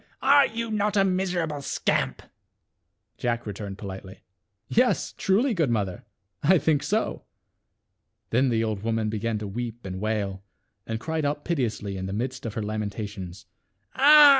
are you not a miserable scamp?" Jack returned politely, "Yes, i^vgkber vKom 1 I f ^ loved 30^ cle^ldy truly, good mother, I think so." Then the old woman began to weep and wail, and m/ cried out piteously in ^ the midst of her lamenta tions, " Ah